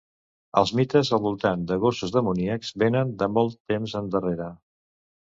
Els mites al voltant de gossos demoníacs vénen de molt temps endarrere.